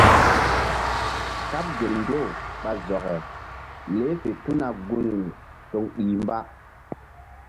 Kaɓ gel mbew ɓa zɔke leh fe tuna gunri toŋ ɗih mba.